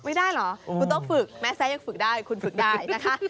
ไม่ได้เหรอคุณต้องฝึกแม้แซะยังฝึกได้คุณฝึกได้นะคะ